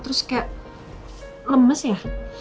terus kayak lemes ya